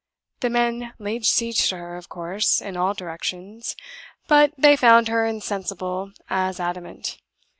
The men laid siege to her, of course, in all directions; but they found her insensible as adamant.